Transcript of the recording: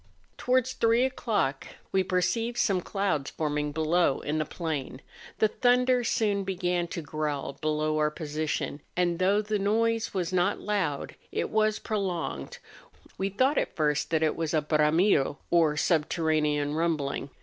Towards three o'clock we perceived some clouds forming below in the plain ; the thunder soon began to growl below our position, and though the noise was not loud, it was prolonged; we thought at first that it was a hramido, or subterranean rumbling.